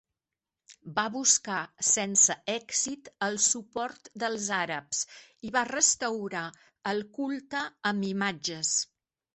Va buscar, sense èxit, el suport dels àrabs i va restaurar el culte amb imatges.